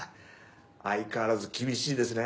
相変わらず厳しいですね